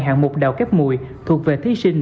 hạng mục đào kép mùi thuộc về thí sinh